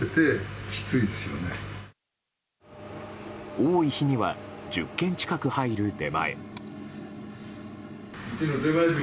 多い日には１０件近く入る出前。